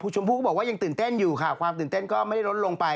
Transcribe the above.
ชมพู่ก็บอกว่ายังตื่นเต้นอยู่ค่ะความตื่นเต้นก็ไม่ได้ลดลงไป